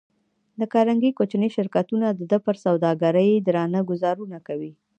د کارنګي کوچني شرکتونه د ده پر سوداګرۍ درانه ګوزارونه کوي.